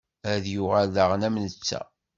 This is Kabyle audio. Ad yuɣal daɣen am netta.